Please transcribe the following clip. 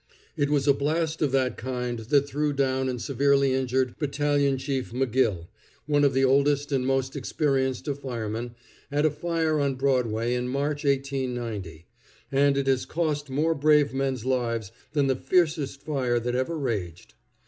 It was a blast of that kind that threw down and severely injured Battalion Chief M'Gill, one of the oldest and most experienced of firemen, at a fire on Broadway in March, 1890; and it has cost more brave men's lives than the fiercest fire that ever raged.